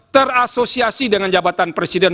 terasosiasi dengan jabatan presiden